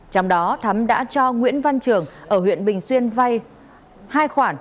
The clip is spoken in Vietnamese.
trong đó thắm đã cho nguyễn văn trường ở huyện bình xuyên vay hai khoản